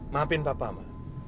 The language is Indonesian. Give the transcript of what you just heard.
maafin bapak ma